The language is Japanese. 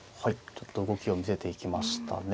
ちょっと動きを見せていきましたね。